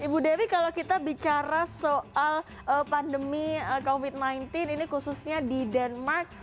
ibu dewi kalau kita bicara soal pandemi covid sembilan belas ini khususnya di denmark